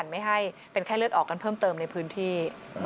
ไม่ให้เป็นไข้เลือดออกกันเพิ่มเติมในพื้นที่